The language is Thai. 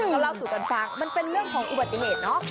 แล้วเราสูตรสร้างมันเป็นเรื่องของอุบัติเหตุเนอะ